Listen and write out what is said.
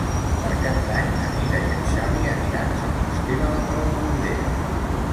Per Cap d'Any na Mira i en Xavi aniran a Sant Esteve de Palautordera.